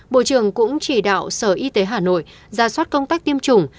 bộ trưởng cũng chỉ đạo sở y tế hà nội ra soát công tác tiêm chủng